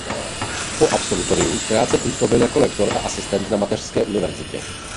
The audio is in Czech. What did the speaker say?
Po absolutoriu krátce působil jako lektor a asistent na mateřské univerzitě.